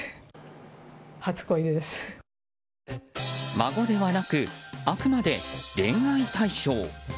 孫ではなくあくまで恋愛対象。